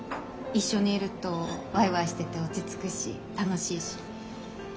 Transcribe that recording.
一緒にいるとわいわいしてて落ち着くし楽しいし。